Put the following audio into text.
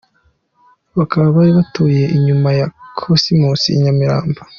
Bakaba bari batuye inyuma ya Cosmos i Nyamirambo.